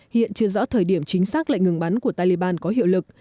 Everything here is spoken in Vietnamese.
hiện chưa rõ thời điểm chính xác lệnh ngừng bắn của taliban có hiệu lực